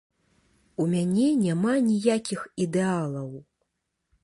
У мяне няма ніякіх ідэалаў.